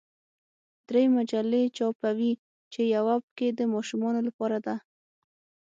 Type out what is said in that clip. درې مجلې چاپوي چې یوه پکې د ماشومانو لپاره ده.